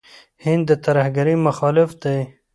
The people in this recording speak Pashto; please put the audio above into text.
هند د ترهګرۍ مخالف دی.